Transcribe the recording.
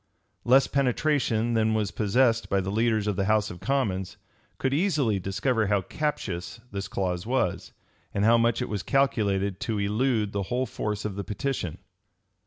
[*] Less penetration than was possessed by the leaders of the house of commons, could easily discover how captious this clause was, and how much it was calculated to elude the whole force of the petition.